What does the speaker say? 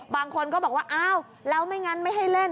บางคนก็บอกว่าอ้าวแล้วไม่งั้นไม่ให้เล่น